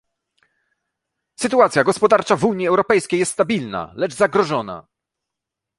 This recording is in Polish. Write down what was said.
Sytuacja gospodarcza w Unii Europejskiej jest stabilna, lecz zagrożona